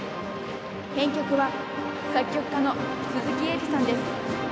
編曲は作曲家の鈴木英史さんです。